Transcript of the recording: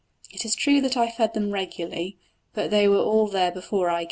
It is true that I fed them regularly, but they were all there before I came.